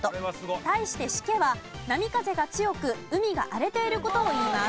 対して時化は波風が強く海が荒れている事をいいます。